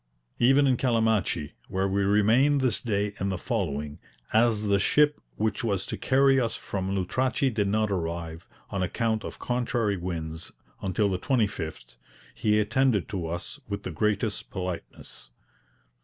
Even in Calamachi, where we remained this day and the following, as the ship which was to carry us on from Lutrachi did not arrive, on account of contrary winds, until the 25th, he attended to us with the greatest politeness.